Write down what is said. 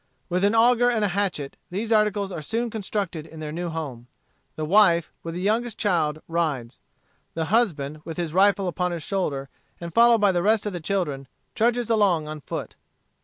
With an auger and a hatchet, these articles are soon constructed in their new home. The wife, with the youngest child, rides. The husband, with his rifle upon his shoulder, and followed by the rest of the children, trudges along on foot.